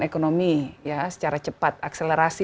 ekonomi secara cepat akselerasi